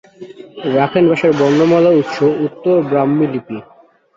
Rakhine ভাষার বর্ণমালার উৎস উত্তর ব্রাহ্মী লিপি।